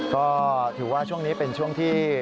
ก็ถือว่าช่วงนี้เป็นช่วงที่